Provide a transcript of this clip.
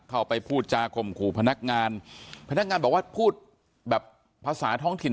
พูดจาข่มขู่พนักงานพนักงานบอกว่าพูดแบบภาษาท้องถิ่น